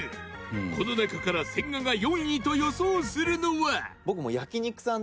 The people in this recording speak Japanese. この中から千賀が４位と予想するのは千賀：僕、焼肉さん